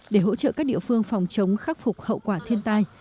để hỗ trợ các địa phương phòng chống khắc phục hậu quả thiên tai